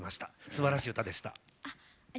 すばらしい歌でした。